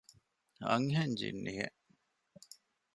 އަންހެން ޖިންނިއެއް